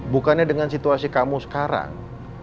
bukannya dengan situasi kamu sekarang